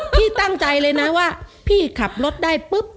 พี่ตั้งใจเลยนะว่าพี่ขับรถได้ปุ๊บ